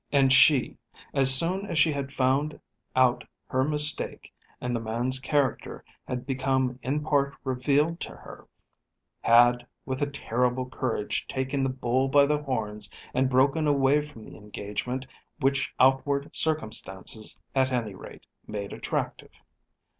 And she, as soon as she had found out her mistake and the man's character had become in part revealed to her, had with a terrible courage taken the bull by the horns and broken away from the engagement which outward circumstances at any rate made attractive.